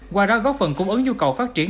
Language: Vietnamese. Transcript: qua đó góp phần cung ứng nhu cầu phát triển